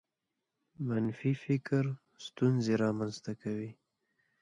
منفي فکر ستونزې رامنځته کوي.